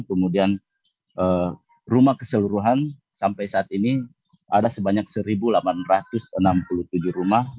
kemudian rumah keseluruhan sampai saat ini ada sebanyak satu delapan ratus enam puluh tujuh rumah